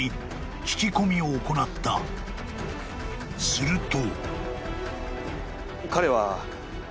［すると］